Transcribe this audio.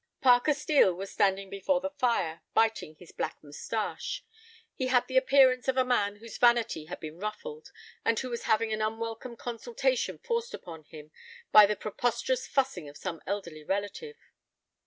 Parker Steel was standing before the fire, biting his black mustache. He had the appearance of a man whose vanity had been ruffled, and who was having an unwelcome consultation forced upon him by the preposterous fussing of some elderly relative.